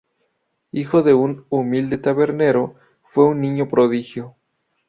Hijo de un humilde tabernero, fue un niño prodigio.